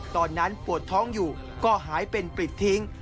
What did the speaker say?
ตอนนั้นปวดท้องอยู่ก็หายเป็นปริดทิ้ง